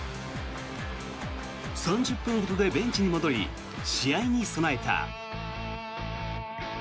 ３０分ほどでベンチに戻り試合に備えた。